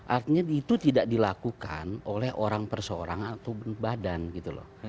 artinya itu tidak dilakukan oleh orang persoarangan atau badan gitu loh